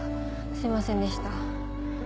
すいませんでした。